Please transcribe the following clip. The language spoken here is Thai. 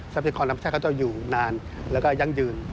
ทรัพยากรธรรมชาติเขาจะอยู่นานแล้วก็ยั่งยืน